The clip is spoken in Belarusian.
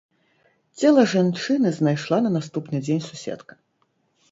Цела жанчыны знайшла на наступны дзень суседка.